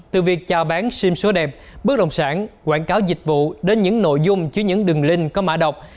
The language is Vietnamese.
từ việc chào bán sim số đẹp bức đồng sản quảng cáo dịch vụ đến những nội dung chứa những đường link có mã đọc